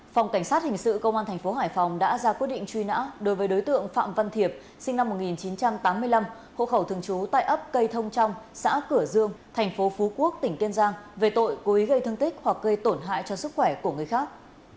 phòng cảnh sát hình sự công an tp hải phòng đã ra quyết định truy nã đối với đối tượng phạm văn thiệp sinh năm một nghìn chín trăm tám mươi năm hộ khẩu thường trú tại ấp cây thông trong xã cửa dương thành phố phú quốc tỉnh kiên giang về tội cố ý gây thương tích hoặc gây tổn hại cho sức khỏe của người khác